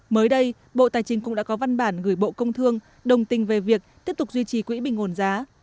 mới đây bộ tài chính cũng đã có văn bản gửi bộ công thương đồng tình về việc tiếp tục duy trì quỹ bình ổn giá